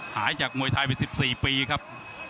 หายจากมวยไทยไป๑๔ปีครับ